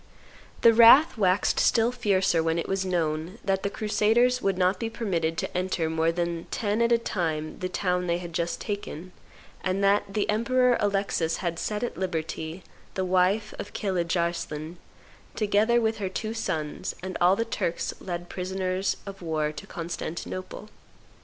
The wrath waxed still fiercer when it was know that the crusaders would not be permitted to enter more the ten at a time the town they had just taken, and that the Emperor Alexis had set at liberty the wife of Pilidge Arslai together with her two sons and all the Turks led prisoners of war to Constantinople.